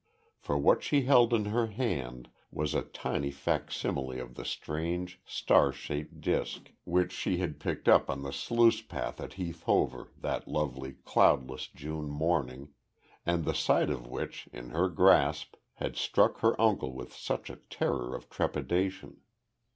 For what she held in her hand was a tiny facsimile of the strange, star shaped disc, which she had picked up on the sluice path at Heath Hover that lovely cloudless June morning, and the sight of which, in her grasp, had struck her uncle with such a terror of trepidation.